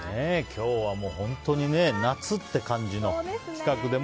今日は本当に夏って感じの企画で。